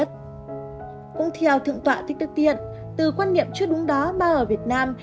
cũng theo thượng tọa thích đức thiện từ quan niệm chút đúng đó mà ở việt nam